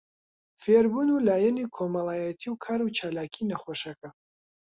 فێربوون و لایەنی کۆمەڵایەتی و کاروچالاکی نەخۆشەکە